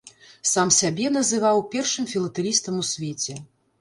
Сам сябе называў першым філатэлістам ў свеце.